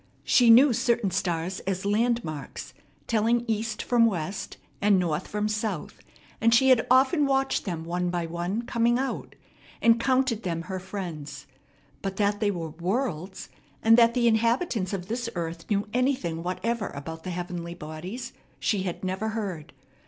She knew certain stars as landmarks, telling east from west and north from south; and she had often watched them one by one coming out, and counted them her friends; but that they were worlds, and that the inhabitants of this earth knew anything whatever about the heavenly bodies, she had never heard.